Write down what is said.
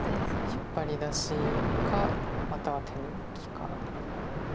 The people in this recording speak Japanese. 引っ張り出しかまたは手抜きかだと思います。